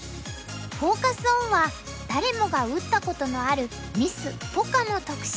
フォーカス・オンは誰もが打ったことのあるミスポカの特集。